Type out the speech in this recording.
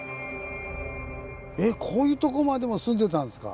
こういうとこまでも住んでたんですか？